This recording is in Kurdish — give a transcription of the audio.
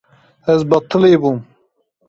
Ez betilî bûm.